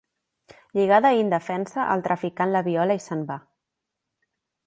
Lligada i indefensa, el traficant la viola i se'n va.